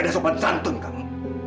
ada sopan santun kamu